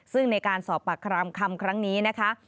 ซึ่งในการสอบปากคำคำครั้งนี้นะคะ